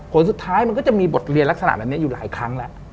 ผลสุดท้ายมันก็จะมีบทเรียนลักษณะแบบนี้อยู่หลายครั้งแล้ว